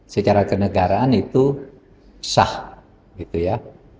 secara kenegaraan itu sah gitu ya